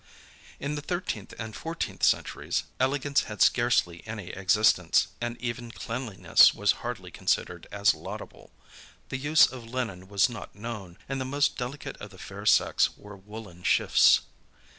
In the thirteenth and fourteenth centuries, elegance had scarcely any existence, and even cleanliness was hardly considered as laudable. The use of linen was not known; and the most delicate of the fair sex wore woollen shifts.